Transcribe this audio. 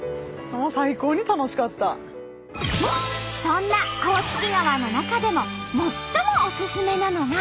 そんな甲突川の中でも最もオススメなのが。